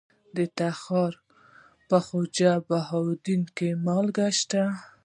د تخار په خواجه بهاوالدین کې مالګه شته.